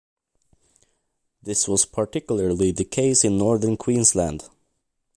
This was particularly the case in northern Queensland.